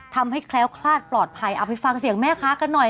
แคล้วคลาดปลอดภัยเอาไปฟังเสียงแม่ค้ากันหน่อย